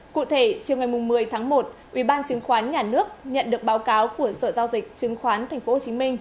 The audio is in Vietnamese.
cụ thể chiều ngày một mươi tháng một ubnd chứng khoán nhà nước nhận được báo cáo của sở giao dịch chứng khoán tp hcm